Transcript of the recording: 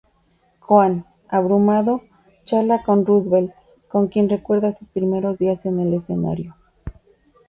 Cohan, abrumado, charla con Roosevelt, con quien recuerda sus primeros días en el escenario.